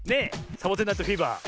「サボテン・ナイト・フィーバー」。